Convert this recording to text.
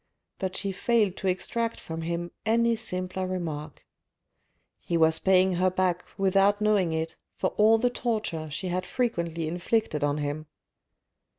But she failed to extract from him any simpler remark. He was paying her back without knowing it for all the torture she had frequently inflicted on him.